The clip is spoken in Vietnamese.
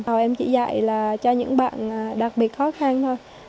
hồi em chỉ dạy cho những bạn đặc biệt khó khăn thôi